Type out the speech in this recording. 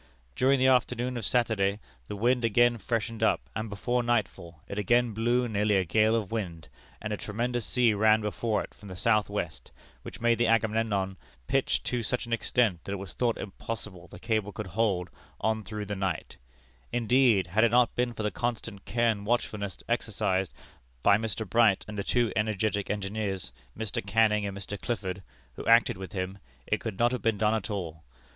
During the afternoon of Saturday, the wind again freshened up, and before nightfall it again blew nearly a gale of wind, and a tremendous sea ran before it from the south west, which made the Agamemnon pitch to such an extent that it was thought impossible the cable could hold on through the night; indeed, had it not been for the constant care and watchfulness exercised by Mr. Bright, and the two energetic engineers, Mr. Canning and Mr. Clifford, who acted with him, it could not have been done at all.